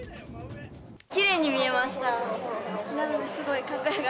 きれいに見えました。